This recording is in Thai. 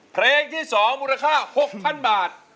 เพลงที่๒มูลค่า๖๐๐๐บาท